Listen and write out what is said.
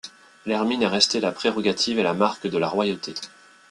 L’hermine est restée la prérogative et la marque de la royauté.